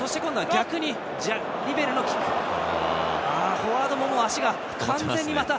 フォワードももう足が完全にまた。